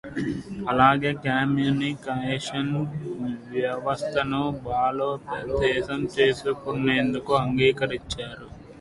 అలాగే కమ్యూనికేషన్ వ్యవస్థను బలోపేతం చేసుకొనేందుకు అంగీకరించారు.